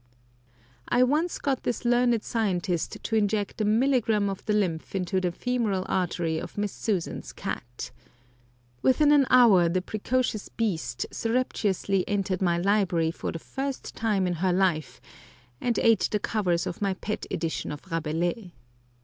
I once got this learned scientist to inject a milligram of the lymph into the femoral artery of Miss Susan's cat. Within an hour the precocious beast surreptitiously entered my library for the first time in her life, and ate the covers of my pet edition of Rabelais.